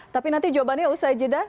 tapi nanti jawabannya usai jeda